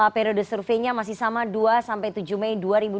periode surveinya masih sama dua sampai tujuh mei dua ribu dua puluh